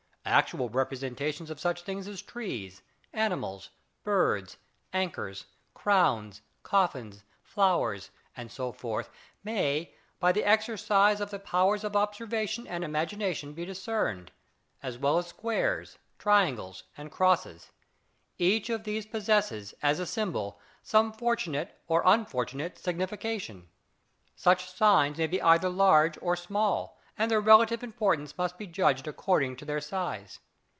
Actual representations of such things as trees, animals, birds, anchors, crowns, coffins, flowers, and so forth may by the exercise of the powers of observation and imagination be discerned, as well as squares, triangles, and crosses. Each of these possesses, as a symbol, some fortunate or unfortunate signification. Such signs may be either large or small, and their relative importance must be judged according to their size.